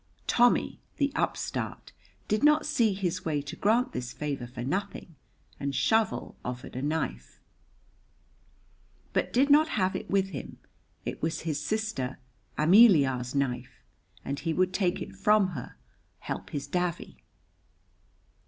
Tommy, the upstart, did not see his way to grant this favor for nothing, and Shovel offered a knife, but did not have it with him; it was his sister Ameliar's knife, and he would take it from her, help his davy.